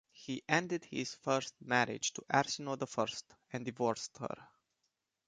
He ended his marriage to Arsinoe the First and divorced her.